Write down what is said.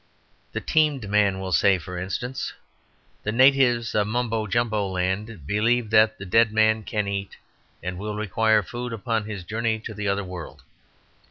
The teamed man will say, for instance, "The natives of Mumbojumbo Land believe that the dead man can eat and will require food upon his journey to the other world.